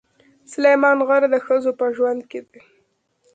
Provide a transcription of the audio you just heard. سلیمان غر د ښځو په ژوند کې دي.